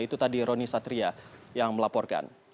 itu tadi roni satria yang melaporkan